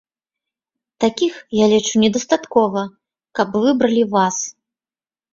Такіх, я лічу, недастаткова, каб выбралі вас.